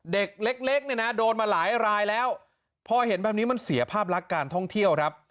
เด็กเล็กเนี่ยนะโดนมาหลายรายแล้วพอเห็นแบบนี้มันเสียภาพลักษณ์การท่องเที่ยวครับ